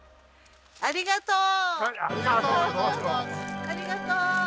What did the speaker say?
ありがとう！